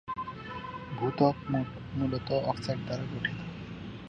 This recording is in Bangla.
ভূ-ত্বক মূলত অক্সাইড দ্বারা গঠিত।